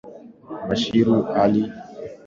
bashiru ali kutaka kujua kutokea kwa mapinduzi haya